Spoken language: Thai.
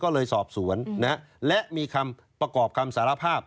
ก็เลยสอบสวนและมีคำประกอบคำสารภาพ